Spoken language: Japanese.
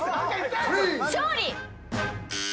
勝利！